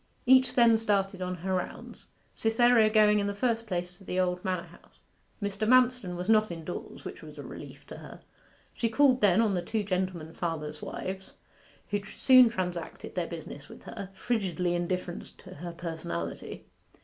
Each then started on her rounds: Cytherea going in the first place to the old manor house. Mr. Manston was not indoors, which was a relief to her. She called then on the two gentleman farmers' wives, who soon transacted their business with her, frigidly indifferent to her personality.